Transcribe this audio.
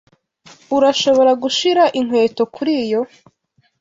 Urashobora gushira inkweto kuriyo.